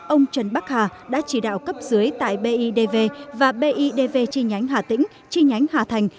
ông trần bắc hà đã chỉ đạo cấp dưới tại bidv và bidv chi nhánh hà tĩnh chi nhánh hà thành